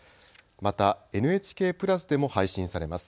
また、ＮＨＫプラスでも配信されます。